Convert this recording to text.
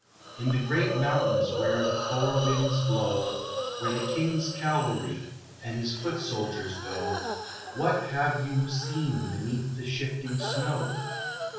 In the great mountains where the four winds blow, Where the King's cavalry, and his foot soldiers go What have you seen beneath the shifting snow?